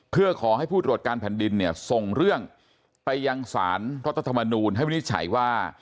เพื่อขอให้ผู้ตรวจการแผ่นดินเนี่ยส่งเรื่องไปยังสารรัฐธรรมนูลให้วินิจฉัยว่า